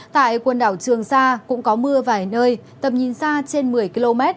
tại quần đảo trường sa cũng có mưa vài nơi tầm nhìn xa trên một mươi km